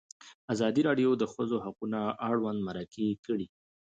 ازادي راډیو د د ښځو حقونه اړوند مرکې کړي.